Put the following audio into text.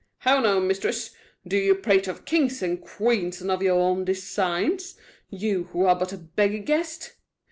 "How now, mistress! do you prate of kings and queens and of your own designs you, who are but a beggar guest?